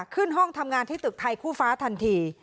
ขึ้นห้องทำงานที่ตึกไทยคู่ฟ้าทันที